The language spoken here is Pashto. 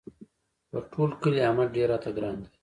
په ټول کلي احمد ډېر راته ګران دی.